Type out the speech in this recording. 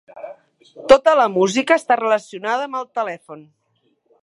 Tota la música està relacionada amb el telèfon.